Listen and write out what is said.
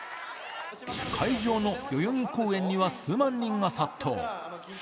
会場の代々木公園には数万人が殺到。